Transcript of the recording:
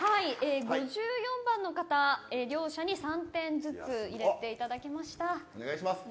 ５４番の方、両者に３点ずつ入れていただきました。